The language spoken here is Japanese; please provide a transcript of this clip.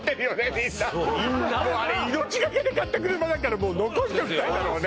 みんなそうみんなもうあれ命がけで買った車だから残しておきたいんだろうね